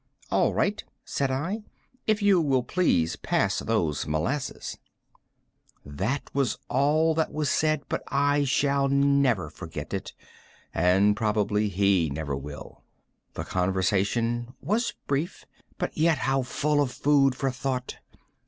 "All right," said I, "if you will please pass those molasses." That was all that was said, but I shall never forget it, and probably he never will. The conversation was brief, but yet how full of food for thought!